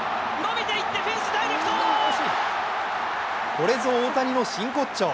これぞ大谷の真骨頂。